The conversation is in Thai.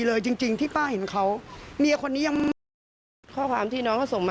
เราก็เรียบโทรหาน้อง